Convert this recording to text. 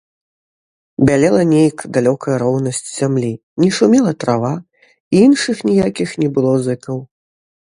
Бялела нейк далёкая роўнасць зямлі, не шумела трава, і іншых ніякіх не было зыкаў.